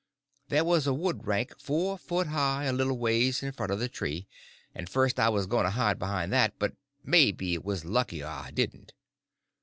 There was a wood rank four foot high a little ways in front of the tree, and first I was going to hide behind that; but maybe it was luckier I didn't.